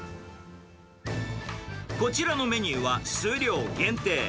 こちらのメニューは数量限定。